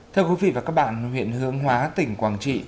theo quý vị và các bạn huyện hương hóa tỉnh quảng trị